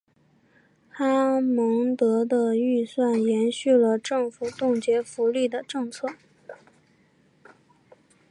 哈蒙德的预算延续了政府冻结福利的政策。